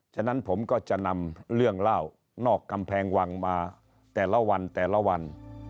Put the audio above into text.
ฉะนั้นผมก็จะนำเรื่องเล่านอกกำแพงวังมาแต่ละวันแต่ละวัน